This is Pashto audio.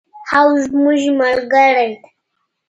او زموږ ملګری دی.